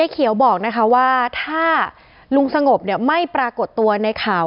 เขียวบอกนะคะว่าถ้าลุงสงบไม่ปรากฏตัวในข่าว